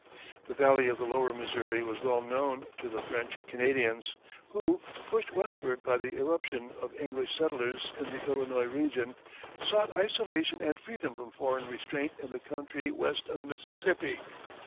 The valley of the lower Missouri was well known to the French Canadians, who, pushed westward by the irruption of English settlers in the Illinois region, sought isolation and freedom from foreign restraint in the country west of the Mississippi.